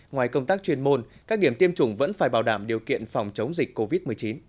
ngoài công tác chuyên môn các điểm tiêm chủng vẫn phải bảo đảm điều kiện phòng chống dịch covid một mươi chín